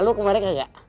kalo kemarin kagak